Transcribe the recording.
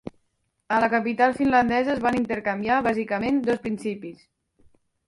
A la capital finlandesa es van intercanviar, bàsicament, dos principis.